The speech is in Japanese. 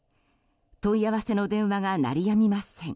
問い合わせの電話が鳴りやみません。